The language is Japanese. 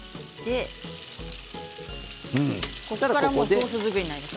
ここからソース作りになります。